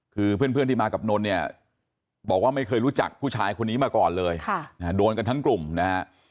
คือเพื่อนที่มากับนนท์เนี่ยบอกว่าไม่เคยรู้จักผู้ชายคนนี้มาก่อนเลยโดนกันทั้งกลุ่มนะฮะ